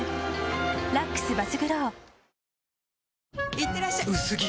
いってらっしゃ薄着！